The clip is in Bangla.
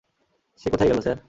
সে কোথায় গেল, স্যার?